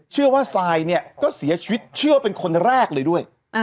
ทรายเนี่ยก็เสียชีวิตเชื่อเป็นคนแรกเลยด้วย